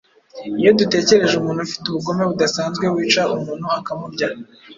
Iyo dutekereje umuntu ufite ubugome budasanzwe wica umuntu akamurya,